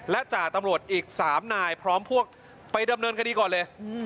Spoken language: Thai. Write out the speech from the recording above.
และจ่าตำรวจอีก๓นายพร้อมพวกไปดำเนินคดีก่อนเลย